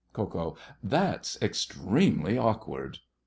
KO. That's extremely awkward.